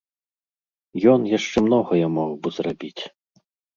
Ён яшчэ многае мог бы зрабіць.